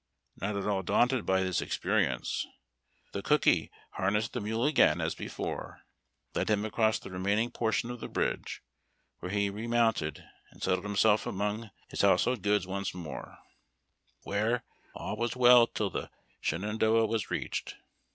Not at all daunted by this experience, the cookey harnessed the mule again as before, led him across the remaining portion of the bridge, where he remounted and settled himself among his household goods once more, where 288 HAT^D TACK AND COFFEE. all was well till the Shenandoah was reached.